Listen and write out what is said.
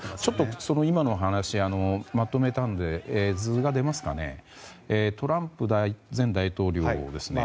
今の話をまとめたんですがトランプ前大統領ですね。